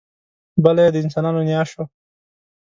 بله یې د انسانانو نیا شوه.